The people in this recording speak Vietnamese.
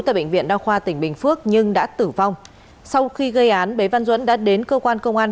tại bệnh viện đa khoa tỉnh bình phước nhưng đã tử vong sau khi gây án bế văn duẫn đã đến cơ quan công an